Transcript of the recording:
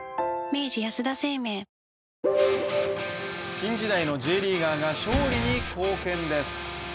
新時代のＪリーガーが勝利に貢献です。